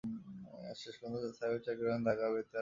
তবে শেষ পর্যন্ত স্থায়ীভাবে চাকরি করেন ঢাকা বেতারে।